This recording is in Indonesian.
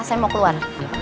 saya mau keluar